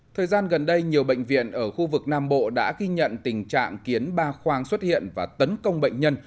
thời gian gần đây nhiều bệnh viện ở khu vực nam bộ đã ghi nhận tình trạng kiến ba khoang xuất hiện và tấn công bệnh nhân